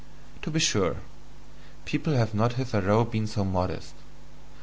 To be sure, people have not hitherto been so modest.